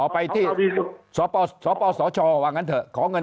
เริ่มต้นก็ทำโครงการไปประสายงาน